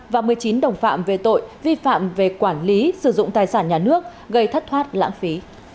và một mươi chín đồng phạm về tội vi phạm về quản lý sử dụng tài sản nhà nước gây thất thoát lãng phí